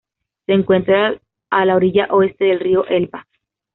Se encuentra a la orilla oeste del río Elba.